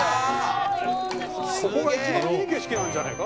ここが一番いい景色なんじゃねえか？